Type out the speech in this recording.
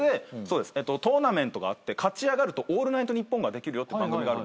トーナメントがあって勝ち上がると『オールナイトニッポン』ができるよって番組があるんですよ。